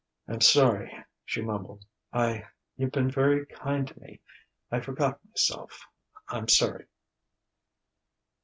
"I'm sorry," she mumbled. "I you've been very kind to me I forgot myself. I'm sorry."